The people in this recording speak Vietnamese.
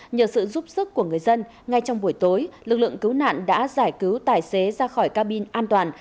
nhờ sự giúp sức của người dân ngay trong buổi tối lực lượng cứu nạn đã giải cứu tài xế ra khỏi cabin an toàn